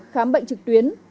khám bệnh trực tuyến